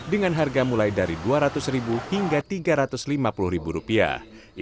dengan harga mulai dari dua ratus ribu hingga tiga ratus lima puluh ribu rupiah